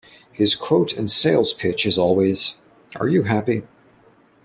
His quote and sales pitch is always Are you happy?